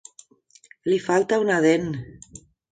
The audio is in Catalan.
Li falta una dent!